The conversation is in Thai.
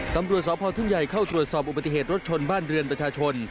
ตำรวจสพทุ่งใหญ่เข้าตรวจสอบอุบัติเหตุรถชนบ้านเรือนประชาชน